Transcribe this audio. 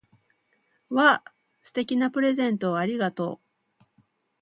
わぁ！素敵なプレゼントをありがとう！